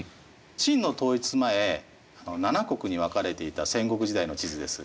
秦の統一前７国に分かれていた戦国時代の地図です。